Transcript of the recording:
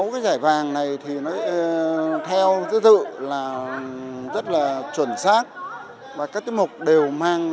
sáu cái giải vàng này thì nó theo cái dự là rất là chuẩn xác và các tiết mục đều mang